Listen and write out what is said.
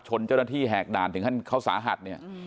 ชนเจ้าหน้าที่แหงะด่านที่พวกเขาสาหัส